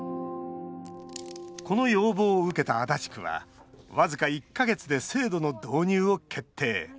この要望を受けた足立区は僅か１か月で制度の導入を決定。